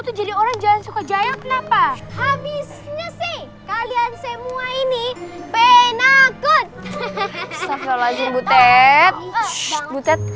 tuh jadi orang jangan suka jaya kenapa habisnya sih kalian semua ini penakut